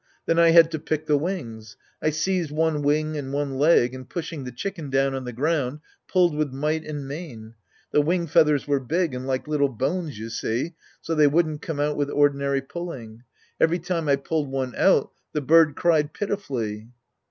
Then I had to pick the wings. I seized one wing and one leg, and pushing the chicken down on the ground, pulled with might and main. The wing feathers were big and like little bones, you see, so they wouldn't come out with ordinary pulling. Every time I pulled one out, the bird cried pitifully.